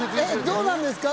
どうなんですか？